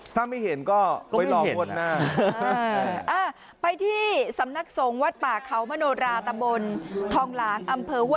ถ้าไม่เห็นก็ไปลองก่อนหน้า